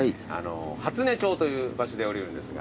初音町という場所で降りるんですが